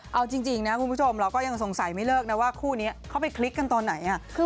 เอาจริงนะคุณผู้ชมเราก็ยังสงสัยไม่เลิกนะว่าคู่นี้เขาไปคลิกกันตอนไหน